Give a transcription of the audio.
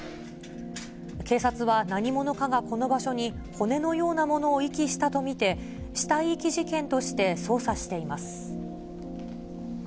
警察は何者かがこの場所に、骨のようなものを遺棄したと見て、死体遺棄事件として捜査しています。